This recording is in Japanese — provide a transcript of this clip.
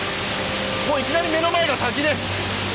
もういきなり目の前が滝です。